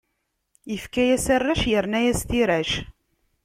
Ifka-yas arrac, irna-yas tirac.